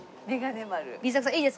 Ｂ作さんいいですか？